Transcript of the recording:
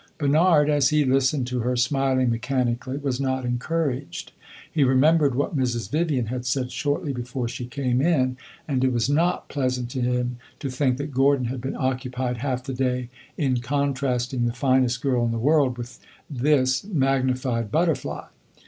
Bernard, as he listened to her, smiling mechanically, was not encouraged. He remembered what Mrs. Vivian had said shortly before she came in, and it was not pleasant to him to think that Gordon had been occupied half the day in contrasting the finest girl in the world with this magnified butterfly.